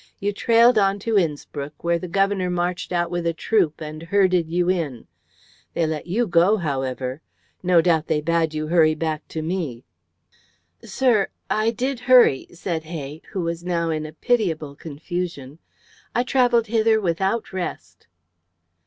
You trailed on to Innspruck, where the Governor marched out with a troop and herded you in. They let you go, however. No doubt they bade you hurry back to me." "Sir, I did hurry," said Hay, who was now in a pitiable confusion. "I travelled hither without rest."